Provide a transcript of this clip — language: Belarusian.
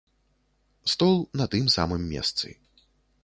Стол на тым самым месцы.